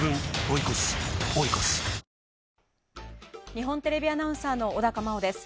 日本テレビアナウンサーの小高茉緒です。